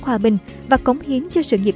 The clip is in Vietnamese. hòa bình và cống hiến cho sự nghiệp